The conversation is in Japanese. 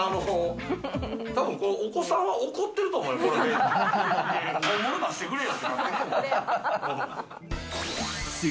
多分お子さんは怒ってると思います。